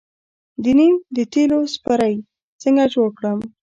د نیم د تیلو سپری څنګه جوړ کړم؟